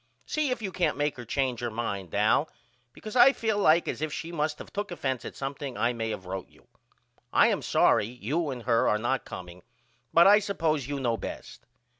See if you can't make her change her mind Al because I feel like as if she must of took offense at something I may of wrote you. I am sorry you and her are not comeing but I suppose you know best.